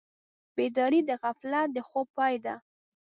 بیداري د غفلت د خوب پای ده.